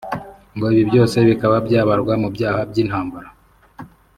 ngo ibi byose bikaba byabarwa mu byaha by’intambara